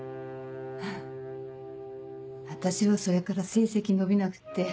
フッ私はそれから成績伸びなくって。